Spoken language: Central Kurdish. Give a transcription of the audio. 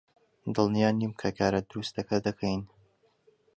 دڵنیا نیم کە کارە دروستەکە دەکەین.